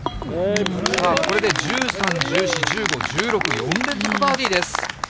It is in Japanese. これで１３、１４、１５、１６、４連続バーディーです。